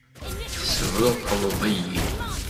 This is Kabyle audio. Tessebṛuqleḍ-iyi!